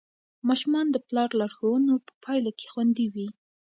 ماشومان د پلار لارښوونو په پایله کې خوندي وي.